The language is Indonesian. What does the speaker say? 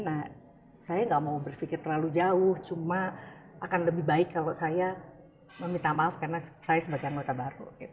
nah saya gak mau berpikir terlalu jauh cuma akan lebih baik kalau saya meminta maaf karena saya sebagai anggota baru